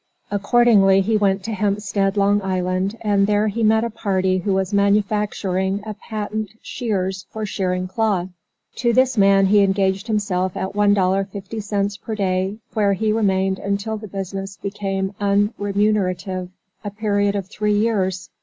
Accordingly he went to Hempstead, Long Island, and there he met a party who was manufacturing a patent shears for shearing cloth. To this man he engaged himself at $1.50 per day, where he remained until the business became unremunerative, a period of three years.